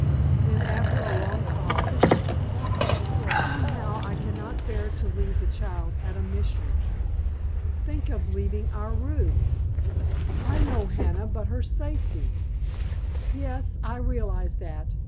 Then after a long pause, "Somehow I cannot bear to leave the child at a Mission. Think of leaving our Ruth——" "I know, Hannah, but her safety——" "Yes, I realize that.